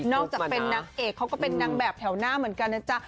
อกจากเป็นนางเอกเขาก็เป็นนางแบบแถวหน้าเหมือนกันนะจ๊ะ